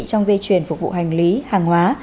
trong dây chuyển phục vụ hành lý hàng hóa